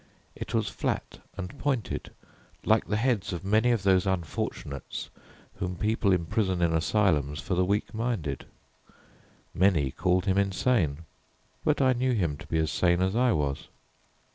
It was flat and pointed, like the heads of many of those unfortunates whom people imprison in asylums for the weak minded. Many called him insane, but I knew him to be as sane as I was.